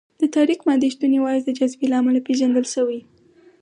د تاریک مادې شتون یوازې د جاذبې له امله پېژندل شوی.